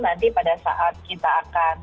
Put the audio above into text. nanti pada saat kita akan